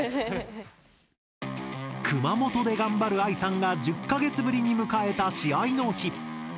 熊本で頑張るあいさんが１０か月ぶりに迎えた試合の日。